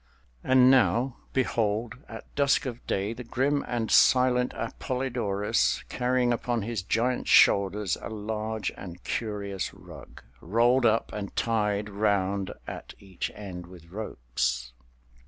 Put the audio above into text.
And now behold at dusk of day the grim and silent Appolidorus, carrying upon his giant shoulders a large and curious rug, rolled up and tied 'round at each end with ropes.